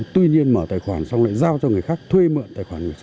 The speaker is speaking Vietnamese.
tuy nhiên mở tài khoản xong lại giao cho người khác thuê mượn tài khoản